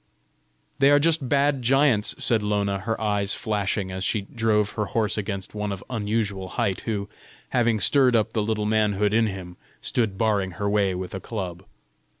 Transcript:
"They are just bad giants!" said Lona, her eyes flashing as she drove her horse against one of unusual height who, having stirred up the little manhood in him, stood barring her way with a club.